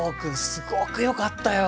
すごく良かったよ。